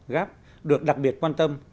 gap được đặc biệt quan tâm